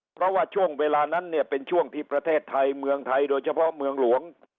เพราะว่าช่วงเวลานั้นเนี่ยเป็นช่วงที่ประเทศไทยเมืองไทยโดยเฉพาะเมืองหลวง